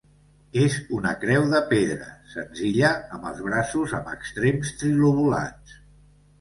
És una creu de pedra, senzilla, amb els braços amb extrems trilobulats.